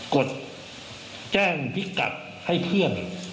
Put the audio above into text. กดแจ้งพิกัดให้เพื่อน